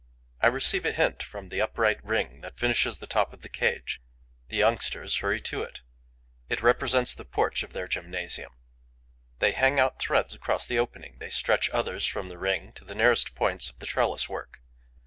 I receive a hint from the upright ring that finishes the top of the cage. The youngsters hurry to it. It represents the porch of their gymnasium. They hang out threads across the opening; they stretch others from the ring to the nearest points of the trellis work.